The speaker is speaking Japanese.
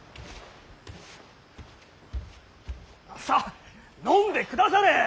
さあ飲んでくだされ。